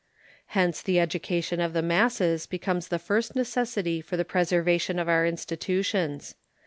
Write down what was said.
Hence the education of the masses becomes of the first necessity for the preservation of our institutions.